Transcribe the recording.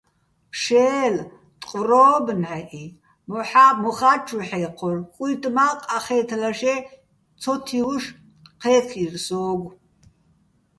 ფშე́ლ, ტყვრო́ბ ნჵაჸი, მოხა́ ჩუ ჰ̦ე́ჴორ, კუჲტი̆ მა́ ყახე́თლაშე́ ცოთივუშ ჴე́ქირ სოგო̆.